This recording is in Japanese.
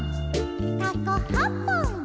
「タコはっぽん」